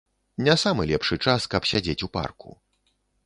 Не самы лепшы час, каб сядзець у парку.